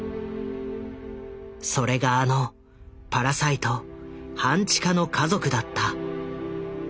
それがあの「パラサイト半地下の家族」だった。